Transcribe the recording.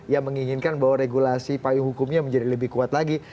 yang menginginkan bahwa regulasi payung hukumnya menjadi lebih kuat lagi